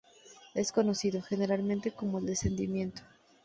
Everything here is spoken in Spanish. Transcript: Es conocido, generalmente, como El descendimiento.